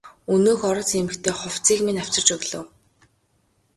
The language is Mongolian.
Өнөөх орос эмэгтэй хувцсыг минь авчирч өглөө.